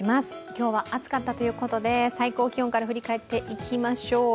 今日は暑かったということで最高気温から振り返っていきましょう。